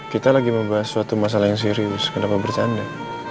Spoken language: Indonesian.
kita lagi membahas suatu masalah yang serius kenapa bercanda